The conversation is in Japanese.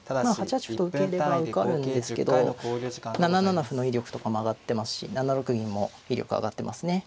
８八歩と受ければ受かるんですけど７七歩の威力とかも上がってますし７六銀も威力上がってますね。